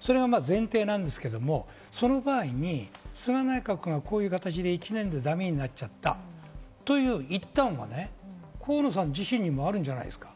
それが前提なんですけど、その前に菅内閣がこういう形で１年でだめになっちゃったという一端は河野さん自身にもあるんじゃないですか。